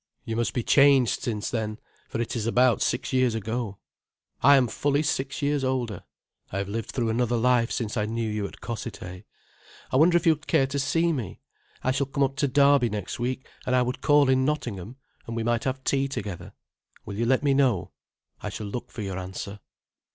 You must be changed since then, for it is about six years ago. I am fully six years older,—I have lived through another life since I knew you at Cossethay. I wonder if you would care to see me. I shall come up to Derby next week, and I would call in Nottingham, and we might have tea together. Will you let me know? I shall look for your answer.